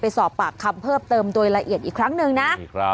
สอบปากคำเพิ่มเติมโดยละเอียดอีกครั้งหนึ่งนะ